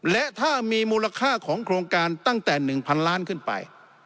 และถ้ามีมูลค่าของโครงการตั้งแต่๑๐๐๐ล้านขึ้นไป